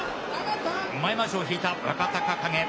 前まわしを引いた若隆景。